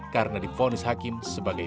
karena diponis hakim sebagai